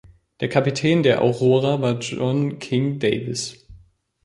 Der Kapitän der "Aurora" war John King Davis.